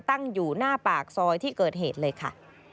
ตั้งอยู่หน้าปากซอยที่เกิดเหตุเลยค่ะ